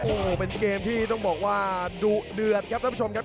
โอ้โหเป็นเกมที่ต้องบอกว่าดุเดือดครับท่านผู้ชมครับ